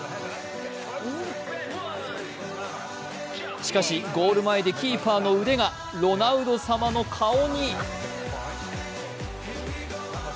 しかし、ゴール前でキーパーの腕がロナウド様の顔に。